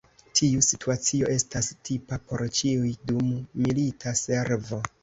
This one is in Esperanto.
Tiu situacio estas tipa por ĉiuj dum milita servo.